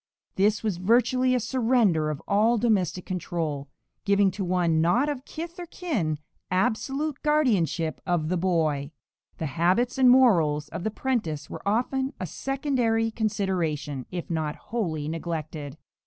This was virtually a surrender of all domestic control, giving to one not of "kith or kin" absolute guardianship of the boy. The habits and morals of the "'prentice" were often a secondary consideration, if not wholly neglected.